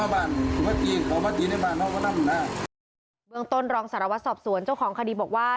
เบื้องต้นรองสารวัตรสอบสวนเจ้าของคดีบอกว่า